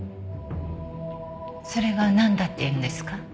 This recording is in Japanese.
それがなんだっていうんですか？